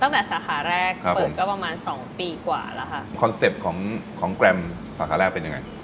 ตั้งแต่สาธารณ์แรกครับผมเปิดก็ประมาณสองปีกว่าแล้วค่ะคอนเซ็ปต์ของของสาธารณ์แรกเป็นยังไง